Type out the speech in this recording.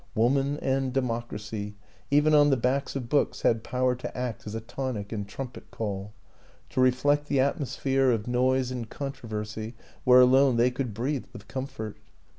Woman and Democracy, even on the backs of books, had power to act as a tonic and trumpet call, to reflect the atmosphere of noise and controversy where alone they could breathe with comfort.